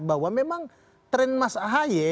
bahwa memang tren mas ahy